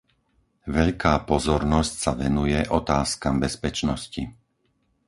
Veľká pozornosť sa venuje otázkam bezpečnosti.